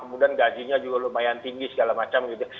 kemudian gajinya juga lumayan tinggi segala macam gitu